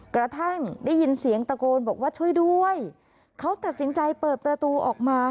กระทั่งได้ยินเสียงตะโกนบอกว่าช่วยด้วยเขาตัดสินใจเปิดประตูออกมา